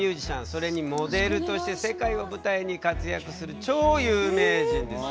それにモデルとして世界を舞台に活躍する超有名人ですよ。